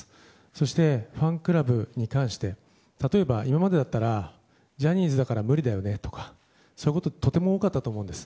そして、ファンクラブに関して例えば、今までだったらジャニーズだから無理だよねとかそういうことはとても多かったと思うんです。